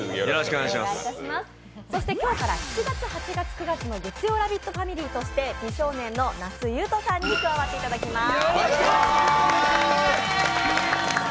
そして今日から７月、８月、９月のシーズンレギュラーとして美少年の那須雄登さんに加わっていただきます。